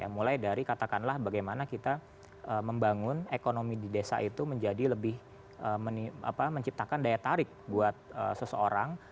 mulai dari katakanlah bagaimana kita membangun ekonomi di desa itu menjadi lebih menciptakan daya tarik buat seseorang